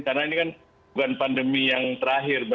karena ini kan bukan pandemi yang terakhir bagi kita